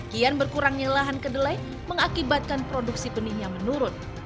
kian berkurangnya lahan kedelai mengakibatkan produksi benihnya menurun